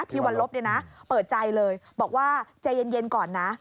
วันลบเปิดใจเลยบอกว่าใจเย็นก่อนนะ